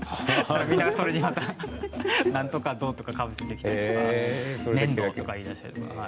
みんな、それにまた、なんとかド、とかかぶせてきたりとか粘土と言いだしたり。